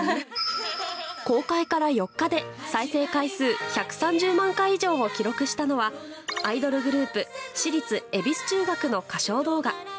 公開から４日で再生回数１３０万回以上を記録したのはアイドルグループ私立恵比寿中学の歌唱動画。